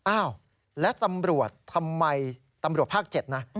อ้าวและตำรวจทำไมตำรวจภาค๗นะ